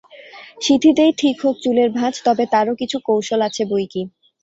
সিঁথিতেই ঠিক হোক চুলের ভাঁজ, তবে তারও কিছু কৌশল আছে বৈকি।